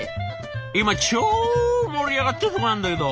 今超盛り上がってるとこなんだけど」。